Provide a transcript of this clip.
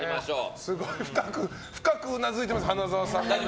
深くうなずいてます、花澤さん。